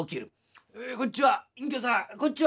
「えこんちは隠居さんこんちは」。